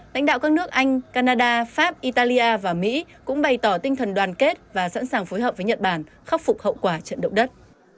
lãnh đạo các nước anh canada pháp italia và mỹ cũng bày tỏ tinh thần đoàn kết và sẵn sàng phối hợp với nhật bản khắc phục hậu quả trận động đất